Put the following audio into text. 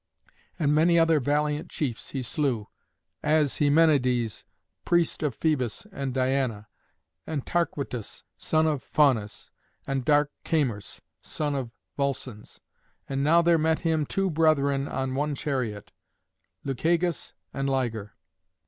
And many other valiant chiefs he slew, as Haemonides, priest of Phœbus and Diana, and Tarquitus, son of Faunus, and dark Camers, son of Volscens. And now there met him two brethren on one chariot, Lucagus and Liger.